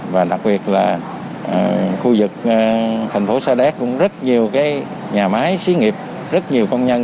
và đặc biệt là khu vực thành phố sa đéc cũng rất nhiều nhà máy xí nghiệp rất nhiều công nhân